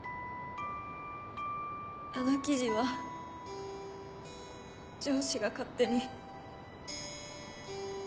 あの記事は上司が勝手に。